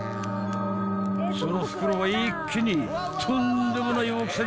［その袋は一気にとんでもない大きさに拡張］